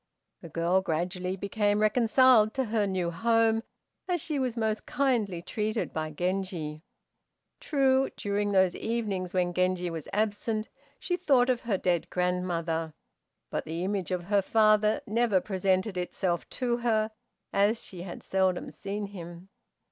The girl gradually became reconciled to her new home, as she was most kindly treated by Genji. True, during those evenings when Genji was absent she thought of her dead grandmother, but the image of her father never presented itself to her, as she had seldom seen him.